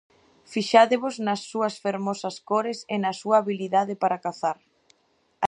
Fixádevos nas súas fermosas cores e na súa habilidade para cazar!